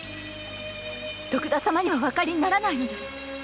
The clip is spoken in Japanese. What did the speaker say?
徳田様にはおわかりにならないのです。